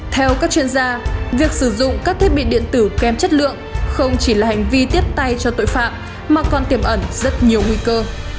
theo các chuyên gia việc sử dụng các thiết bị điện tử kèm chất lượng không chỉ là hành vi tiếp tay cho tội phạm mà còn tiềm ẩn rất nhiều nguy cơ